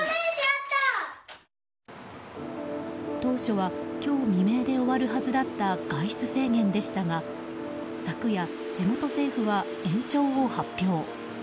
当初は今日未明で終わるはずだった外出制限でしたが昨夜、地元政府は延長を発表。